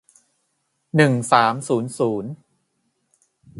หนึ่งสามศูนย์ศูนย์